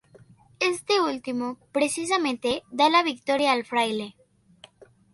Este último, precisamente, da la victoria al fraile.